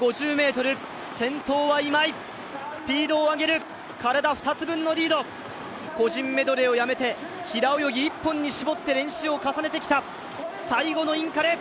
ｍ先頭は今井スピードを上げる体２つ分のリード個人メドレーをやめて平泳ぎ一本に絞って練習を重ねてきた最後のインカレ！